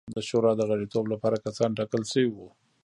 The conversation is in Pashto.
د شورا د غړیتوب لپاره کسان ټاکل شوي وو.